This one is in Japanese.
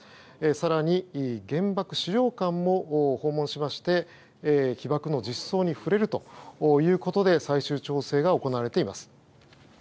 更に原爆資料館も訪問し被爆の実相に触れるということで最終調整が行われています。